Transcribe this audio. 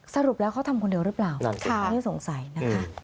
สรุปแล้วเขาทำคนเดียวหรือเปล่าอันนี้สงสัยนะคะ